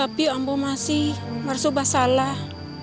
tapi ambo masih merasukkan masalah